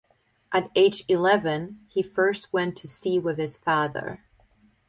At age eleven he first went to sea with his father.